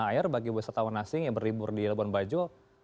apakah ada permintaan air bagi wisatawan asing yang berhibur di labuan bajo